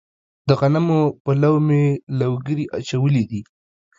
د غنمو په لو مې لوګري اچولي دي.